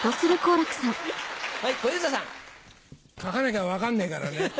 はい小遊三さん。書かなきゃ分かんねえからね。